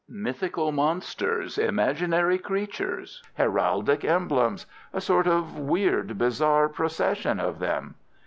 "Mythical monsters, imaginary creatures, heraldic emblems—a sort of weird, bizarre procession of them."